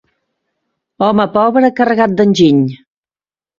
Home pobre, carregat d'enginy.